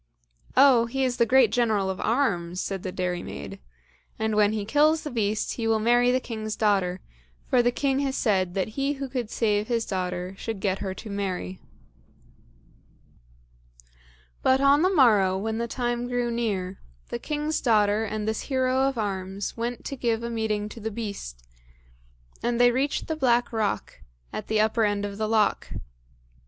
"Oh, he is a great General of arms," said the dairymaid, "and when he kills the beast, he will marry the king's daughter, for the king has said that he who could save his daughter should get her to marry." But on the morrow, when the time grew near, the king's daughter and this hero of arms went to give a meeting to the beast, and they reached the black rock, at the upper end of the loch.